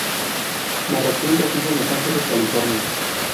Marroquín reside en Los Ángeles, California.